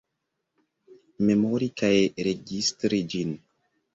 Memori kaj registri ĝin.